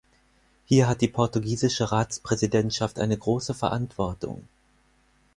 Hier hat die portugiesische Ratspräsidentschaft eine große Verantwortung.